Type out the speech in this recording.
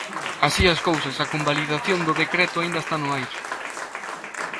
Así as cousas, a convalidación do decreto aínda está no aire.